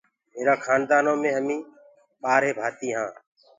ميرآ خآندآ نو مي همي ٻآرهي ڀآتي هآن۔